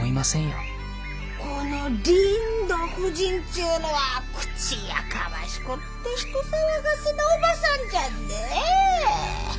このリンド夫人ちゅうのは口やかましくって人騒がせなおばさんじゃんね。